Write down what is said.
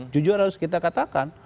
jujur harus kita katakan